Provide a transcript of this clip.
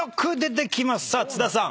さあ津田さん。